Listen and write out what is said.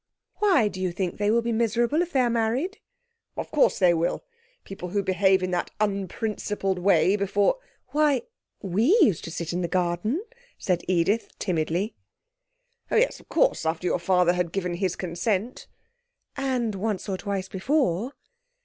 'Why do you think they will be miserable if they are married?' 'Of course they will. People who behave in that unprincipled way before ' 'Why, we used to sit in the garden,' said Edith timidly. 'Oh, yes, of course; after your father had given his consent.' 'And once or twice before.'